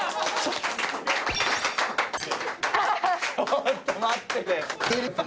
ちょっと待ってくれよ。